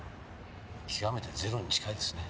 極めてゼロに近いですね。